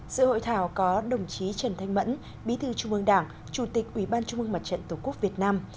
sự hội thảo có đồng chí trần thanh mẫn bí thư trung ương đảng chủ tịch ủy ban trung ương mặt trận tổ quốc việt nam